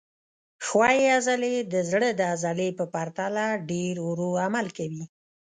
ښویې عضلې د زړه د عضلې په پرتله ډېر ورو عمل کوي.